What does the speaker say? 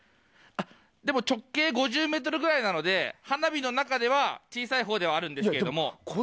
直径５０ｍぐらいなので花火の中では小さいほうではあるんですけど。